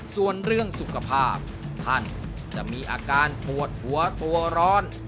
ส่วนเรื่องสุขภาพท่านจะมีอาการปวดหัวตัวร้อน